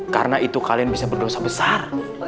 karena itu kalian bisa berdosa besar